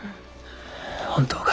本当か。